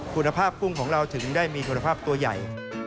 คุณภาพกุ้งของเราถึงได้มีคุณภาพตัวใหญ่